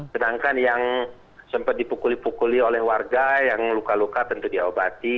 sedangkan yang sempat dipukuli pukuli oleh warga yang luka luka tentu diobati